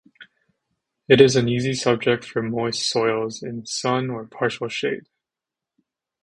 It is an easy subject for moist soils in sun or partial shade.